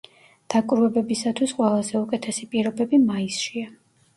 დაკვირვებებისათვის ყველაზე უკეთესი პირობები მაისშია.